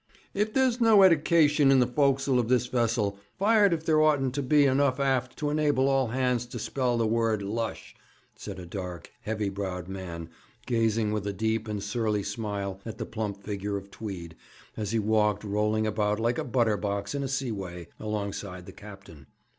'If there's no eddication in the fok'sle of this vessel, fired if there oughtn't to be enough aft to enable all hands to spell the word "lush,"' said a dark, heavy browed man, gazing with a deep and surly smile at the plump figure of Tweed, as he walked, rolling about like a butterbox in a seaway, alongside the captain.